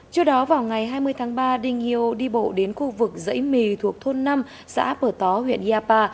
trước đó vào ngày hai mươi tháng ba đinh hiêu đi bộ đến khu vực dãy mì thuộc thôn năm xã bờ tó huyện yapa